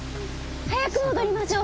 早く戻りましょう。